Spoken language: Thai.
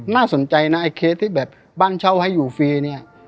น่าสนใจนะไอ้เคสที่แบบบ้านเช่าให้อยู่ฟรีเนี่ย